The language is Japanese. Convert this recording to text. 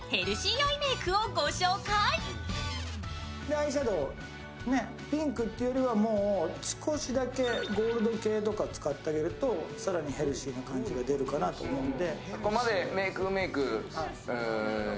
アイシャドーをピンクっていうよりは少しだけゴールドとかを使ってあげると更にヘルシーな感じが出ると思うので。